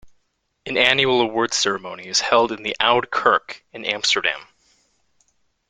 An annual awards ceremony is held in the Oude Kerk in Amsterdam.